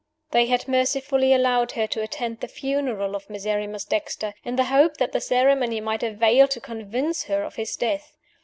They had mercifully allowed her to attend the funeral of Miserrimus Dexter in the hope that the ceremony might avail to convince her of his death.